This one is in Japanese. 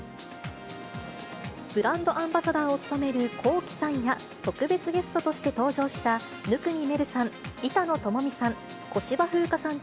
ブランドアンバサダーを務めるＫｏｋｉ，さんや、特別ゲストとして登場した、生見愛瑠さん、板野友美さん、小芝風花さん